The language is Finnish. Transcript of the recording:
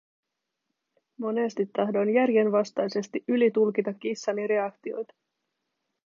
Monesti tahdoin järjenvastaisesti ylitulkita kissani reaktioita.